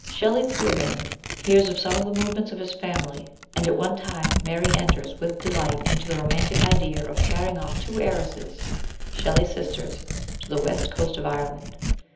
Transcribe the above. Shelley, through him, hears of some of the movements of his family, and at one time Mary enters with delight into the romantic idea of carrying off two heiresses (Shelley's sisters) to the west coast of Ireland.